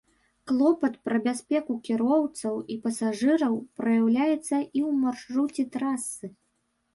Клопат пра бяспеку кіроўцаў і пасажыраў праяўляецца і ў маршруце трасы.